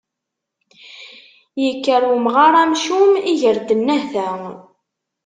Yekker umɣar amcum, iger-d nnehta.